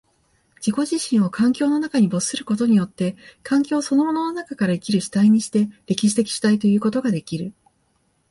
自己自身を環境の中に没することによって、環境そのものの中から生きる主体にして、歴史的主体ということができる。